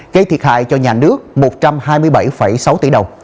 gây thiệt hại cho nhà nước một trăm hai mươi bảy sáu tỷ đồng